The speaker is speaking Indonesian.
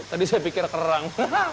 tadi saya pikir kerang